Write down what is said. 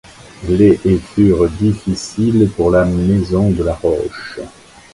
Les et furent difficiles pour la maison de la Roche.